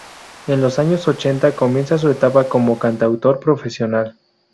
En los años ochenta comienza su etapa como cantautor profesional.